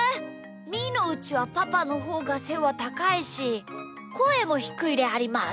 みーのうちはパパのほうがせはたかいしこえもひくいであります。